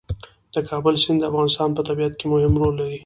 د کابل سیند د افغانستان په طبیعت کې مهم رول لري.